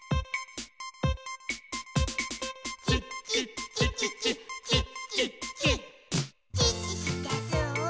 「チッチッチッチッチッチッチッチッ」「チッチしてスー」ス